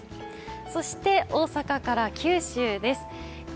そして大阪から九州です。